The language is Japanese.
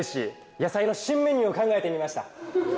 野菜の新メニューを考えてみました